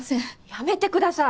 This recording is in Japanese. やめてください。